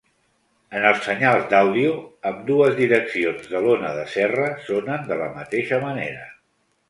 En els senyals d'àudio, ambdues direccions de l'ona de serra sonen de la mateixa manera.